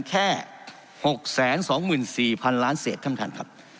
แค่๖๒๔พันล้านเศษขึ้นครับ